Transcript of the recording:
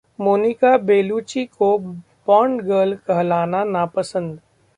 Monika Bellucci को 'Bond girl' कहलाना नापसंद